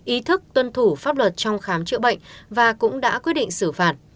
ý thức tuân thủ pháp luật trong khám chữa bệnh và cũng đã quyết định xử phạt